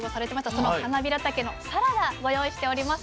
そのはなびらたけのサラダご用意しております。